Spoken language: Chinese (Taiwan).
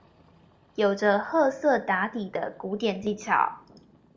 有著褐色打底的古典技巧